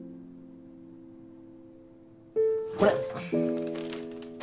これ。